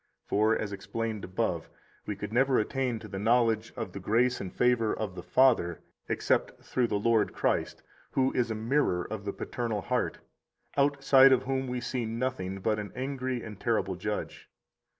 65 For (as explained above) we could never attain to the knowledge of the grace and favor of the Father except through the Lord Christ, who is a mirror of the paternal heart, outside of whom we see nothing but an angry and terrible Judge.